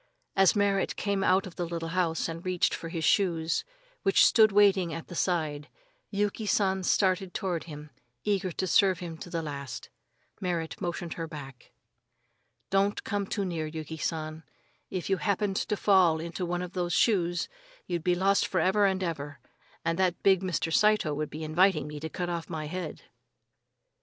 As Merrit came out of the little house and reached for his shoes, which stood waiting at the side, Yuki San started toward him, eager to serve him to the last. Merrit motioned her back. "Don't come too near, Yuki San. If you happened to fall into one of those shoes, you'd be lost for ever and ever, and that big Mr. Saito would be inviting me to cut off my head."